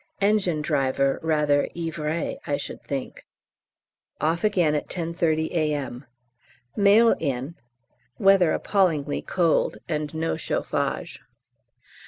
Engine driver rather ivré, I should think. Off again at 10.30 A.M. Mail in. Weather appallingly cold and no chauffage.